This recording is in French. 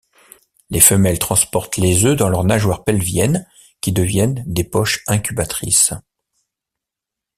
Les femelles transportent les œufs dans leurs nageoires pelviennes qui deviennent des poches incubatrices.